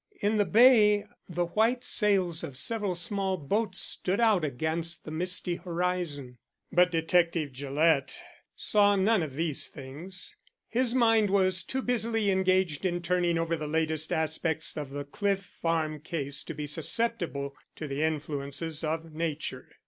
In the bay the white sails of several small boats stood out against the misty horizon. But Detective Gillett saw none of these things. His mind was too busily engaged in turning over the latest aspects of the Cliff Farm case to be susceptible to the influences of nature.